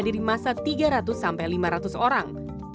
pertama kegiatan yang dihadiri masa tiga ratus sampai lima ratus orang